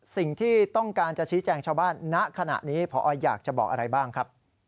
สิ่งที่ต้องการจะชี้แจงชาวบ้านณขณะนี้พออยากจะบอกอะไรบ้างครับ